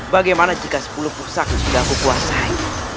bagaimana jika sepuluh pusat juga aku puasai